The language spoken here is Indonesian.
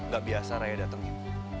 gak biasa raya datengin